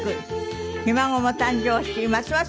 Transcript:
ひ孫も誕生しますます